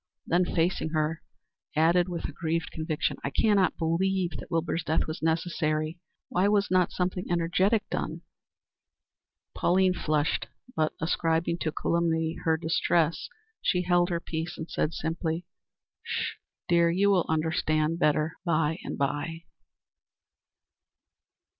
Then facing her, added, with aggrieved conviction: "I cannot believe that Wilbur's death was necessary. Why was not something energetic done?" Pauline flushed, but, ascribing the calumny to distress, she held her peace, and said, simply: "Sh! dear. You will understand better by and by."